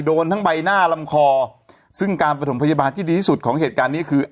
โดนทั้งใบหน้าลำคอซึ่งการประถมพยาบาลที่ดีที่สุดของเหตุการณ์นี้คือ